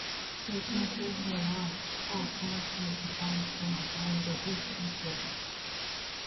Witnesses were asked How fast were the cars going when they hit each other?